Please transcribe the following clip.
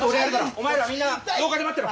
お前らみんな廊下で待ってろ。